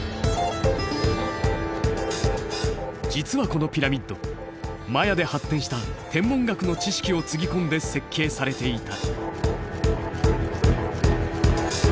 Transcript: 実はこのピラミッドマヤで発展した天文学の知識をつぎ込んで設計されていた。